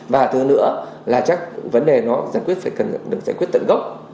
và thứ nữa là chắc vấn đề nó giải quyết phải cần được giải quyết tận gốc